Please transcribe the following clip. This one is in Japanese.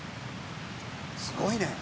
「すごいね！」